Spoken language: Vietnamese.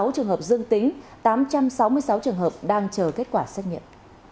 sáu trường hợp dương tính tám trăm sáu mươi sáu trường hợp đang chờ kết quả xét nghiệm